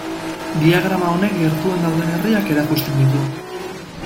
Diagrama honek gertuen dauden herriak erakusten ditu.